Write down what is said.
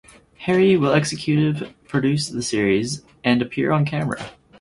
Harry will executive produce the series and appear on camera.